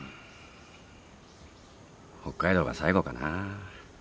北海道が最後かなぁ。